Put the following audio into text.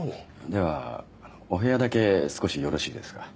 ではお部屋だけ少しよろしいですか？